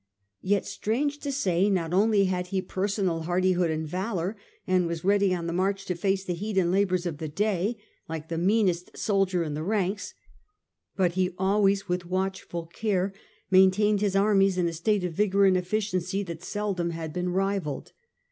Yet, strange to say, not only had he personal hardi hood and valour, and was ready on the march to face the was accom heat and labours of the day like the meanest soldier in the ranks, but he always with watch Eardihood ful care maintained his armies in a state of regard^or vigour and efficiency that seldom had been discipline. rivalled.